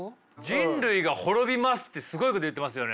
人類が滅びますってすごいこと言ってますよね。